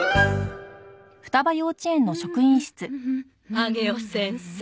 上尾先生。